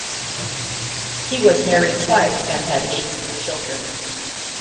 He was married twice and had eight children.